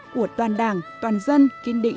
của toàn đảng toàn dân kiên định